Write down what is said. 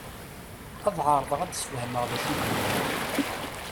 Ad ɛerḍeɣ ad d-sfehmeɣ d acu i d-inna.